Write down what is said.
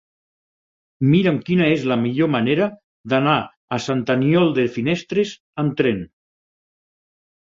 Mira'm quina és la millor manera d'anar a Sant Aniol de Finestres amb tren.